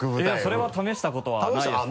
それは試したことはないですね。